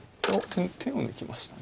実戦手を抜きました。